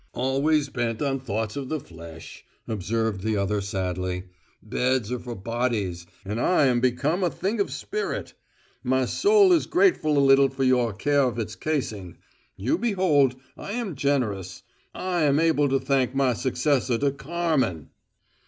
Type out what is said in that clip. "Always bent on thoughts of the flesh," observed the other sadly. "Beds are for bodies, and I am become a thing of spirit. My soul is grateful a little for your care of its casing. You behold, I am generous: I am able to thank my successor to Carmen!"